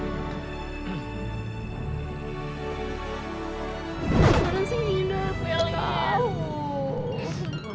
gimana sih dinda kuyang kukuh